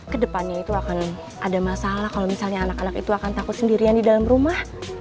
kedepannya itu akan ada masalah kalau misalnya anak anak itu akan takut sendirian di dalam rumah